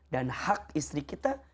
dan hak istri kita